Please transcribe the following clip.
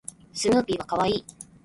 スヌーピーは可愛い